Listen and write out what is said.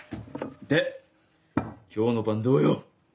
で今日のパンどうよ？